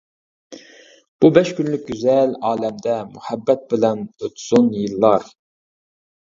بۇ بەش كۈنلۈك گۈزەل ئالەمدە، مۇھەببەت بىلەن ئۆتسۇن يىللار.